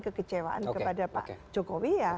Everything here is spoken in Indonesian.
kekecewaan kepada pak jokowi